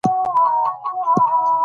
د شپې له خوا اسمان په ستورو ښکلی وي.